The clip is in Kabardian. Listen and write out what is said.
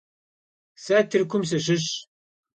Se Tırkum sışışş.